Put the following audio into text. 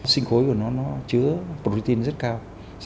sinh khối của nó nó chứa protein rất cao